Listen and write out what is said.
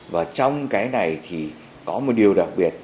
và trong cái này thì có một điều đặc biệt